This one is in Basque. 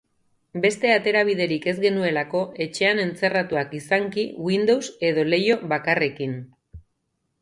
Beste aterabiderik ez genuelako, etxean entzerratuak izanki windows edo leiho bakarrekin.